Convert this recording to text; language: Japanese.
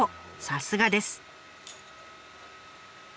さすがです。